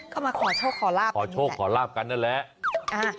ก็มาขอโชคขอลาบกันนี่แหละขอโชคขอลาบกันนั่นแหละ